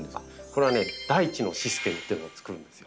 これはね大地のシステムというのを作るんですよ。